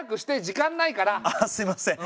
時間ないから。ああすみません